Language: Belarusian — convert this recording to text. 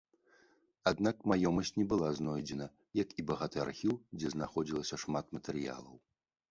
Аднак, маёмасць не была знойдзена, як і багаты архіў, дзе знаходзілася шмат матэрыялаў.